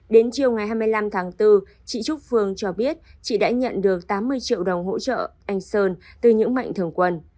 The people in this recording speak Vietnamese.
đến chiều ngày hai mươi năm tháng bốn chị trúc phương cho biết chị đã nhận được tám mươi triệu đồng hỗ trợ anh sơn từ những mạnh thường quân